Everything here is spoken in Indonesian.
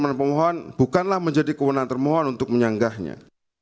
masa itu benar benar menjadi kewenangan termohon untuk menyanggahnya